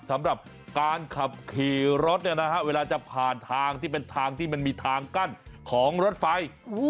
สำหรับการขับขี่รถเนี่ยนะฮะเวลาจะผ่านทางที่เป็นทางที่มันมีทางกั้นของรถไฟ